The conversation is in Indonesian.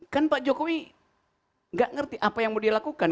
kan pak jokowi gak ngerti apa yang mau dilakukan